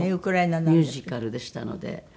農村のミュージカルでしたので。